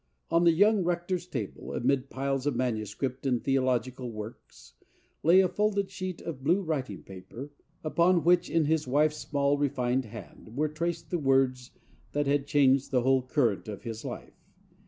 On the young rector's table, amid piles of manu¬ script and theological works, lay a folded sheet of blue writing paper, upon which, in his wife's small, refined hand, were traced the words that had changed the whole current of his life.